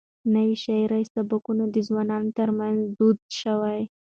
نوي شعري سبکونه د ځوانانو ترمنځ دود شوي.